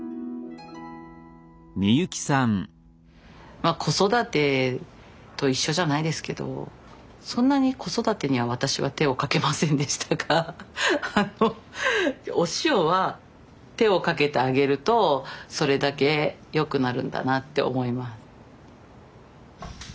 まあ子育てと一緒じゃないですけどそんなに子育てには私は手をかけませんでしたがお塩は手をかけてあげるとそれだけ良くなるんだなって思います。